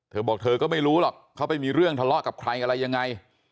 เธอบอกเธอก็ไม่รู้หรอกเขาไปมีเรื่องทะเลาะกับใครอะไรยังไง